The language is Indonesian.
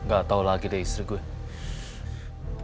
gak tahu lagi deh istri gue